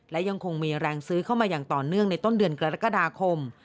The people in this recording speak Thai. และยังคงมีแรงซื้อเข้ามาอย่างต่อเนื่องในต้นเดือนกรกฎาคม